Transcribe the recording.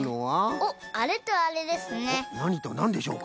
おっなにとなんでしょうか？